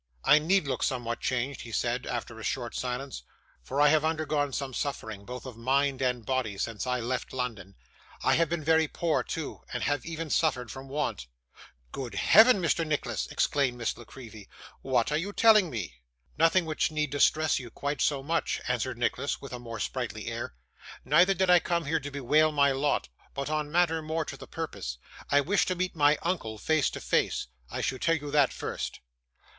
'I need look somewhat changed,' he said, after a short silence; 'for I have undergone some suffering, both of mind and body, since I left London. I have been very poor, too, and have even suffered from want.' 'Good Heaven, Mr. Nicholas!' exclaimed Miss La Creevy, 'what are you telling me?' 'Nothing which need distress you quite so much,' answered Nicholas, with a more sprightly air; 'neither did I come here to bewail my lot, but on matter more to the purpose. I wish to meet my uncle face to face. I should tell you that first.